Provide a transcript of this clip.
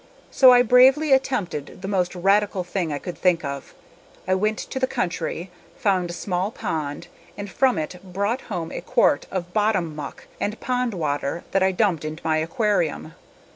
So I bravely attempted the most radical thing I could think of; I went to the country, found a small pond and from it brought home a quart of bottom muck and pond water that I dumped into my own aquarium.